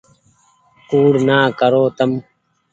ڪوڙ نآ ڪرو تم ۔